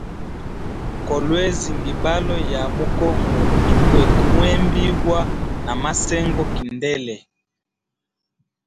Kolwezi ngibalo ya mu kongo, ikwete muhembibwa na masengo kindele.